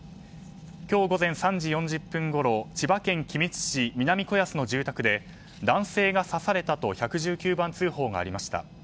今日午前３時４０分ごろ千葉県君津市南子安の住宅で男性が刺されたと１１９番通報がありました。